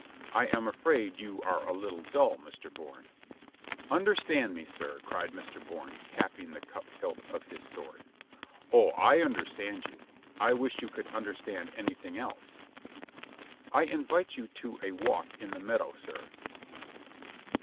"I am afraid you are a little dull, Mr. Bourne." "Understand me, sir," cried Mr. Bourne, tapping the cup hilt of his sword. "Oh, I understand you. I wish you could under stand anything else." "I invite you to a walk in the meadow, sir."